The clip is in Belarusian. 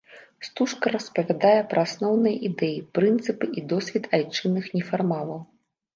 Стужка распавядае пра асноўныя ідэі, прынцыпы і досвед айчынных нефармалаў.